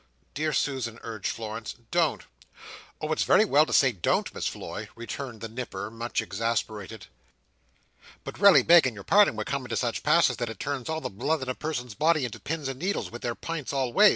"Dear Susan," urged Florence, "don't!" "Oh, it's very well to say 'don't' Miss Floy," returned the Nipper, much exasperated; "but raly begging your pardon we're coming to such passes that it turns all the blood in a person's body into pins and needles, with their pints all ways.